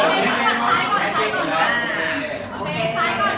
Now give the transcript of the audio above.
ขอบคุณแม่ก่อนต้องกลางนะครับ